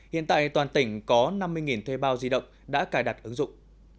hiện tại toàn tỉnh có năm mươi thuê bao di động đã cài đặt ứng dụng